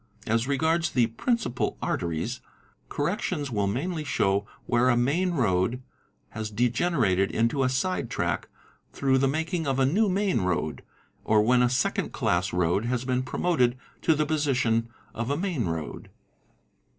As regards the principal arteries, corrections will mainly show where a main road has degenerated into a side track through the making of a new main road, or when a second class road has been promoted to the position of a main road.